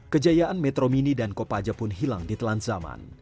kejayaan metro mini dan kopaja pun hilang di telan zaman